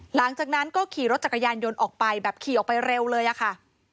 หลังจากนั้นก็ขี่รถจักรยานยนต์ออกไปแบบขี่ออกไปเร็วเลยอะค่ะ